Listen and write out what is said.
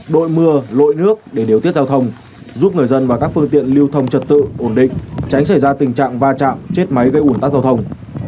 đội mưa lội nước để điều tiết giao thông giúp người dân và các phương tiện lưu thông trật tự ổn định tránh xảy ra tình trạng va chạm chết máy gây ủn tắc giao thông